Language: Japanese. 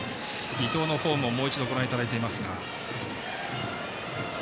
伊藤のフォームをご覧いただいています。